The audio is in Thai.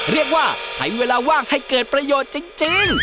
เรียกว่าใช้เวลาว่างให้เกิดประโยชน์จริง